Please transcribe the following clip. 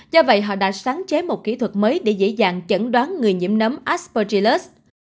do vậy họ đã sáng chế một kỹ thuật mới để dễ dàng chẩn đoán người nhiễm nấm asportilus